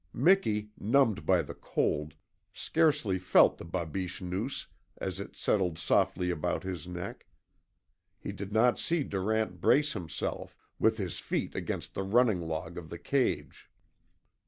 Miki, numbed by the cold, scarcely felt the BABICHE noose as it settled softly about his neck. He did not see Durant brace himself, with his feet against the running log of the cage.